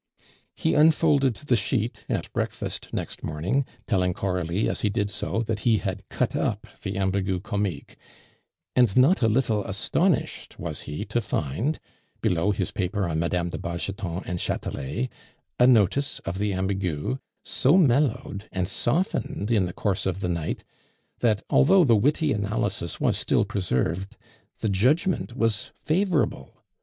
He unfolded the sheet at breakfast next morning, telling Coralie as he did so that he had cut up the Ambigu Comique; and not a little astonished was he to find below his paper on Mme. de Bargeton and Chatelet a notice of the Ambigu, so mellowed and softened in the course of the night, that although the witty analysis was still preserved, the judgment was favorable.